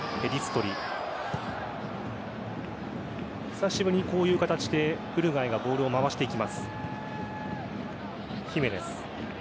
久しぶりにこういう形でウルグアイがボールを回していきます。